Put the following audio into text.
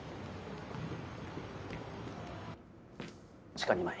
地下２枚。